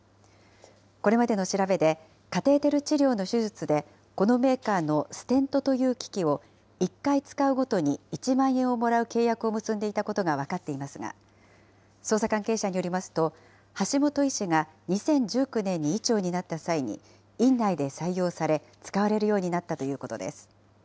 これまでの調べで、カテーテル治療の手術でこのメーカーのステントという機器を、１回使うごとに１万円をもらう契約を結んでいたことが分かっていますが、捜査関係者によりますと、橋本医師が、２０１９年に医長になった際に、院内で採用され、使われるようになったということです。